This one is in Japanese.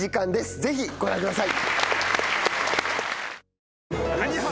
ぜひご覧ください。